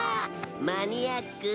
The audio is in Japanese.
「マニアック？」